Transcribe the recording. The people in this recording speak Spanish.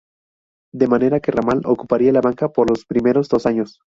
De manera que Ramal ocuparía la banca por los primeros dos años.